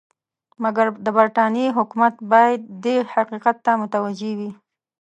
مګر د برټانیې حکومت باید دې حقیقت ته متوجه وي.